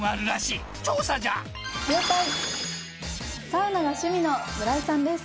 サウナが趣味の村井さんです。